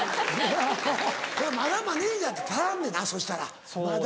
まだマネジャーって足らんねんなそしたらまだ。